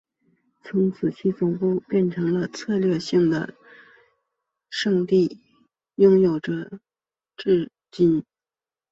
从此其总部变成了这策略性的圣地的拥有者至今。